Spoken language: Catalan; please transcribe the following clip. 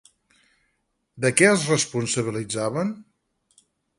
De què els responsabilitzaven?